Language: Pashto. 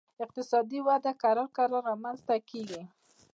اقتصادي وده کرار کرار رامنځته کیږي